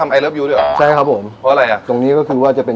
มันจะพอดีมือเลยฮะ